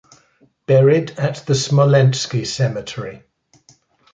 Buried at the Smolensky Cemetery.